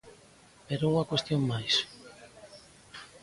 Pero unha cuestión máis.